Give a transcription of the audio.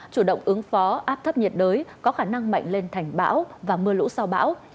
chủ động ứng phó áp thấp nhiệt đới có khả năng mạnh lên thành bão và mưa lũ sau bão